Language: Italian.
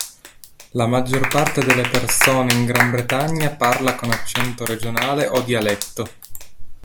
La maggior parte delle persone in Gran Bretagna parla con accento regionale o dialetto.